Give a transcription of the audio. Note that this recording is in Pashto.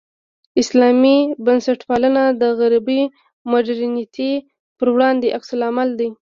اسلامي بنسټپالنه د غربي مډرنیتې پر وړاندې عکس العمل دی.